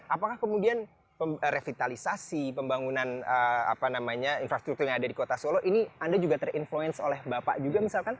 apakah kemudian revitalisasi pembangunan infrastruktur yang ada di kota solo ini anda juga terinfluence oleh bapak juga misalkan